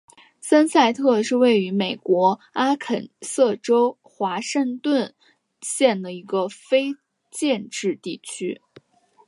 森塞特是位于美国阿肯色州华盛顿县的一个非建制地区。